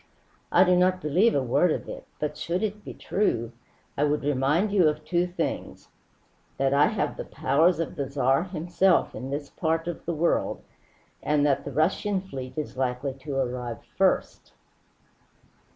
I do not believe a word of it; but should it be true, I would remind you of two things: that I have the powers of the Tsar himself in this part of the world, and that the Russian fleet is likely to arrive first."